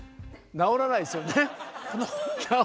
直らないですよね。